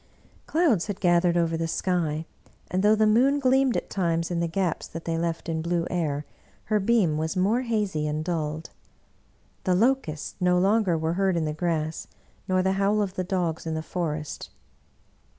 Clouds had gathered over the sky, and though the moon gleamed at times in the gaps that they left in blue air, her beam was more hazy and dulled. The locusts no longer were heard in the grass, nor the howl of the dogs in the forest.